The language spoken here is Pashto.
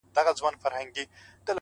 o هغه ورځ په واک کي زما زړه نه وي؛